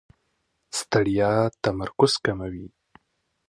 ستړیا تمرکز کموي.